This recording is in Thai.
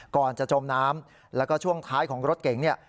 ก่อนจะจมน้ำแล้วก็ช่วงท้ายของรถเก๋งเนี่ย